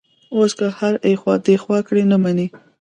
اوس که هر ایخوا دیخوا کړي، نه مني.